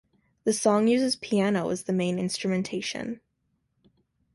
The song uses piano as the main instrumentation.